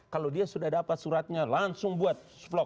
kalau dia sudah dapat suratnya langsung buat splok